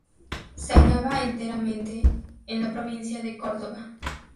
Se hallaba enteramente en la provincia de Córdoba.